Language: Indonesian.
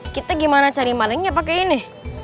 kita gimana cari malengnya pakai ini